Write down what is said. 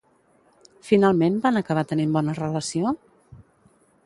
Finalment van acabar tenint bona relació?